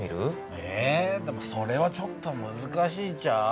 え⁉でもそれはちょっとむずかしいんちゃう？